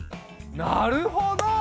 なるほど！